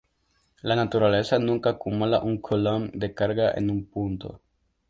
La naturaleza nunca acumula un Coulomb de carga en un punto.